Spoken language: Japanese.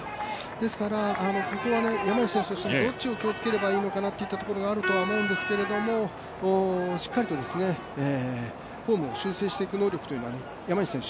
ですから、山西選手としてもどっちを気をつければいいのかなというところがあると思うんですけどしっかりとフォームを修正していく能力というのは、山西選手